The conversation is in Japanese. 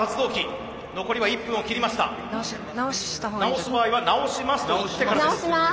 直す場合は「直します」と言ってからです。